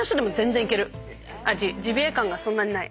ジビエ感がそんなにない。